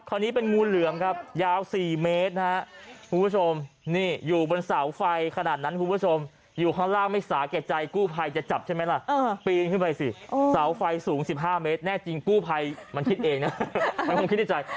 กู้ภัยเองนะไม่คงคิดในใจ